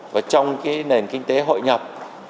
và trong cái nền kinh tế hội nhập